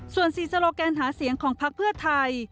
ส่วน๔โซโลแกนหาเสียงของพักเพื่อไทย